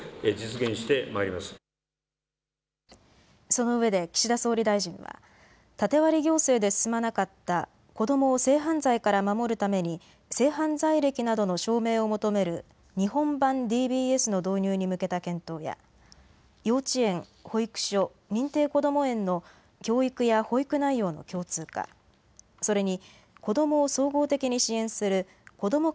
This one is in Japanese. そのうえで岸田総理大臣は縦割り行政で進まなかった子どもを性犯罪から守るために性犯罪歴などの証明を求める日本版ＤＢＳの導入に向けた検討や幼稚園、保育所、認定こども園の教育や保育内容の共通化、それに子どもを総合的に支援するこども